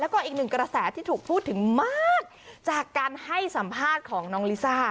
แล้วก็อีกหนึ่งกระแสที่ถูกพูดถึงมากจากการให้สัมภาษณ์ของน้องลิซ่า